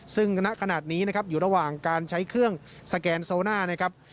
ซึ่งณขณะนี้นะครับอยู่ระหว่างการใช้เครื่องสแกนโซน่านะครับ